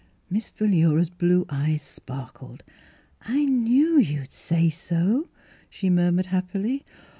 ]Miss Philura's blue eyes sparkled. " I knew you'd say so !" she murmured happily.